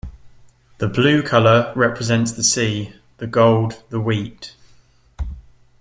The blue colour represents the sea, the gold the wheat.